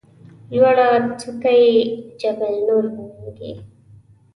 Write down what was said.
لوړه څوکه یې جبل نور نومېږي.